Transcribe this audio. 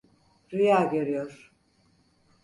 Rüya görüyor.